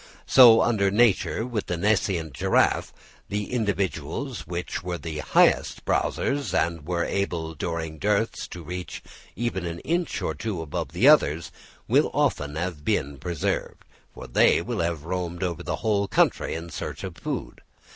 So under nature with the nascent giraffe, the individuals which were the highest browsers and were able during dearths to reach even an inch or two above the others, will often have been preserved; for they will have roamed over the whole country in search of food.